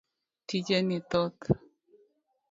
Tije ni thoth.